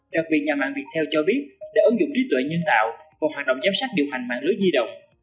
đặc biệt nhà mạng viettel cho biết để ứng dụng điện tội nhân tạo và hoạt động giám sát điều hành mạng lưới di động